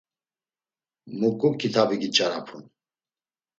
Muǩu kitabi giç̌arapun?